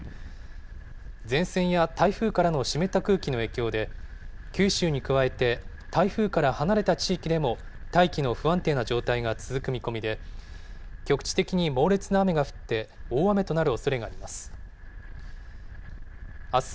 前線や台風からの湿った空気の影響で、九州に加えて台風から離れた地域でも、大気の不安定な状態が続く見込みで、局地的に猛烈な雨が降って大雨となるおそれがあります。